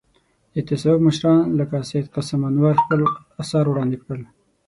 د تصوف مشران لکه سید قاسم انوار خپل اثار وړاندې کړل.